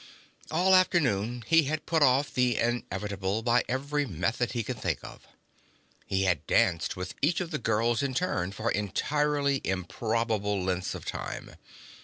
All afternoon, he had put off the inevitable by every method he could think of. He had danced with each of the girls in turn for entirely improbable lengths of time.